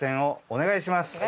お願いします。